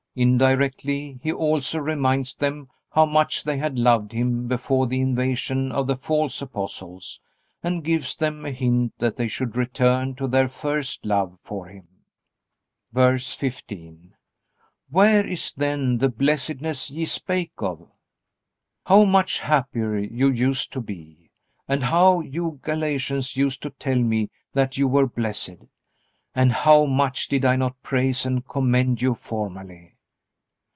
Indirectly, he also reminds them how much they had loved him before the invasion of the false apostles, and gives them a hint that they should return to their first love for him. VERSE 15. Where is then the blessedness ye spake of? "How much happier you used to be. And how you Galatians used to tell me that you were blessed. And how much did I not praise and commend you formerly."